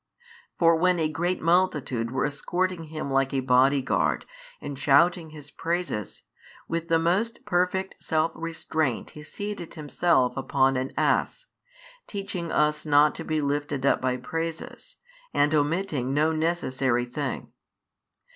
For when a great multitude were escorting Him like a body guard and shouting His praises, with the most perfect self restraint He seated Himself upon an ass, teaching |142 us not to be lifted up by praises, and omitting no necessary thing.